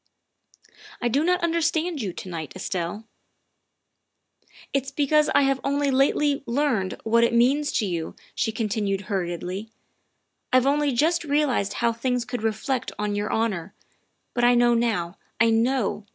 '' I do not understand you to night, Estelle. ''" It's because I have only lately learned what it means to you," she continued hurriedly. " I've only just realized how things could reflect on your honor but I know now, I know.